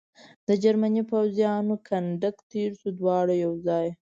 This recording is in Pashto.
د جرمني پوځیانو کنډک تېر شو، دواړه یو ځای.